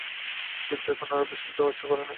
কিন্তু এখন আর বিস্মিত হতে ইচ্ছা করে না।